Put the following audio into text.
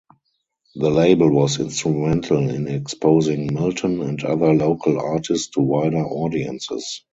The label was instrumental in exposing Milton and other local artist to wider audiences.